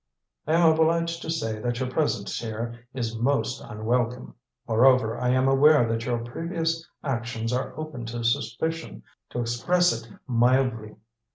"I am obliged to say that your presence here is most unwelcome. Moreover, I am aware that your previous actions are open to suspicion, to express it mildly.